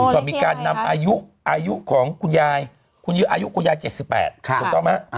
ก็มีการนำอายุของคุณยายคุณอายุคุณยาย๗๘ถูกต้องไหม